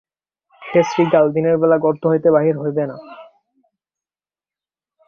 সে শৃগাল, দিনের বেলা গর্ত হইতে বাহির হইবে না।